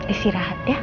isi rahat ya